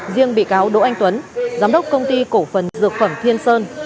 riêng bị cáo đỗ anh tuấn giám đốc công ty cổ phần dược phẩm thiên sơn